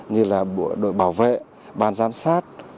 như là đội bảo vệ ban giám sát